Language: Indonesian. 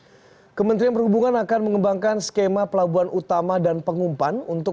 hai kementerian perhubungan akan mengembangkan skema pelabuhan utama dan pengumpan untuk